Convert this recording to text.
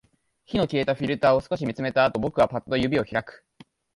火の消えたフィルターを少し見つめたあと、僕はパッと指を開く